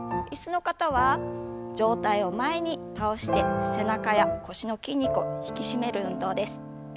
椅子の方は上体を前に倒して背中や腰の筋肉を引き締める運動です。